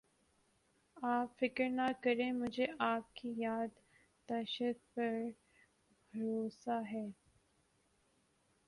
آپ فکر نہ کریں مجھے آپ کی یاد داشت پر بھروسہ ہے